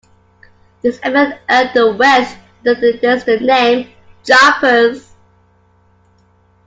This event earned the Welsh Methodists the name "Jumpers".